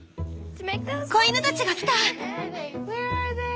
子犬たちが来た！